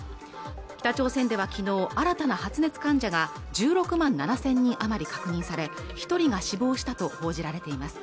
北朝鮮ではきのう新たな発熱患者が１６万７０００人余り確認され一人が死亡したと報じられています